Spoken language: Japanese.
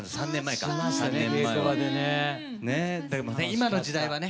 今の時代はね